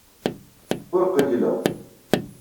Ur qeyyleɣ.